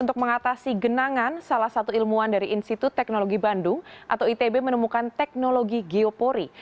untuk mengatasi genangan salah satu ilmuwan dari institut teknologi bandung atau itb menemukan teknologi geopori